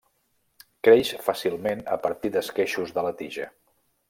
Creix fàcilment a partir d'esqueixos de la tija.